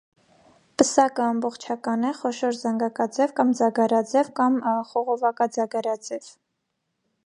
Պսակը ամբողջական է, խոշոր զանգակաձև կամ ձագարաձև կամ խողովակաձագաձևաձև։